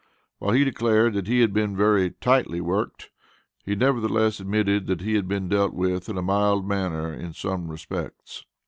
While he declared that he had been very "tightly worked" he nevertheless admitted that he had been dealt with in a mild manner in some respects.